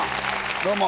どうも。